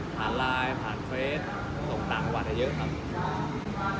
ผ่านไลน์ผ่านเฟซถูกต่างอวก่อนได้เยอะครับ